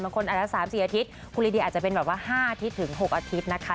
บางคนอาจจะ๓๔อาทิตย์คุณลีดีอาจจะเป็น๕๖อาทิตย์นะคะ